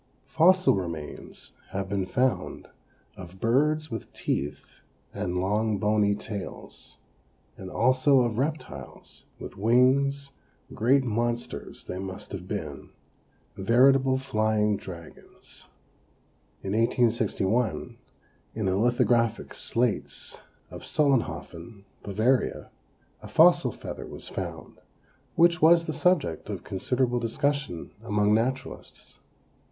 Fossil remains have been found of birds with teeth and long bony tails, and also of reptiles, with wings; great monsters they must have been veritable flying dragons. In 1861, in the lithographic slates of Solenhofen, Bavaria, a fossil feather was found which was the subject of considerable discussion among naturalists.